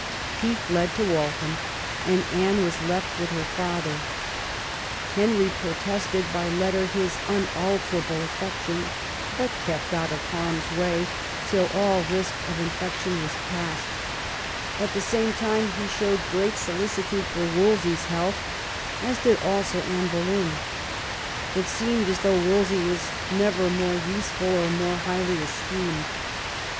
He fled to Waltham, and Anne was left with her father ; Henry protested by letter his un alterable affection, but kept out of harm's way till all risk of infection was past At the same time he showed great solicitude for Wolsey's health, as did also Anne Boleyn. It seemed as though Wolsey were never more useful or more highly esteemed.